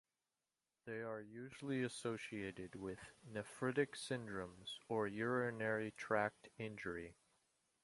They are usually associated with nephritic syndromes or urinary tract injury.